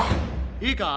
いいか？